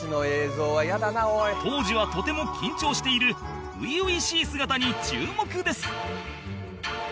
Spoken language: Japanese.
当時はとても緊張している初々しい姿に注目です